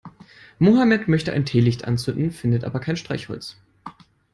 Mohammed möchte ein Teelicht anzünden, findet aber kein Streichholz.